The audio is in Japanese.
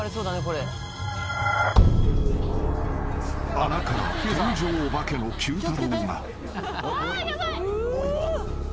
［穴から天井オバケのＱ太郎が］